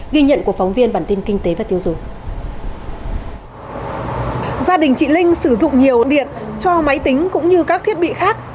gia đình chị linh sử dụng nhiều điện cho máy tính cũng như các thiết bị khác